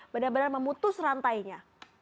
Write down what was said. benar benar memutus rantainya